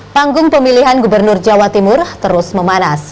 panggung pemilihan gubernur jawa timur terus memanas